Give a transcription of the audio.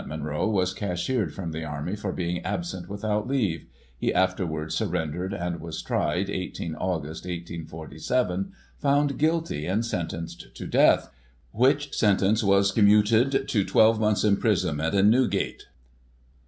Munro was cashiered from the Army for being absent without leave ; he afterwards surrendered, and was tried, 1 8 Aug., 1847, found guilty, and sentenced to death; which sentence was commuted to 12 months' imprisonment in New gate.